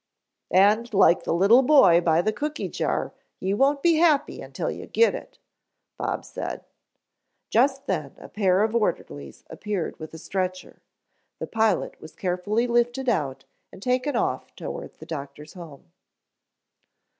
"And, like the little boy by the cookie jar, you won't be happy until you get it," said Bob. Just then a pair of orderlies appeared with a stretcher, the pilot was carefully lifted out and taken off toward the doctor's home.